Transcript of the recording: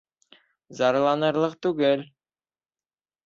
Зарланырлыҡ түгел